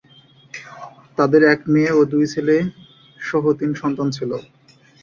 তাদের এক মেয়ে ও দুই ছেলে সহ তিন সন্তান ছিল।